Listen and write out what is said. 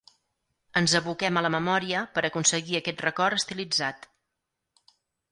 Ens aboquem a la memòria per aconseguir aquest record estilitzat.